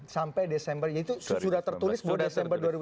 sampai desember ya itu sudah tertulis buat desember dua ribu sembilan belas